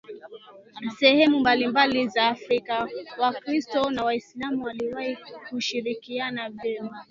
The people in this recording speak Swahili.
sehemu mbalimbali za Afrika Wakristo na Waislamu waliwahi kushirikiana vema